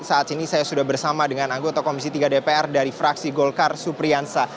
saat ini saya sudah bersama dengan anggota komisi tiga dpr dari fraksi golkar supriyansa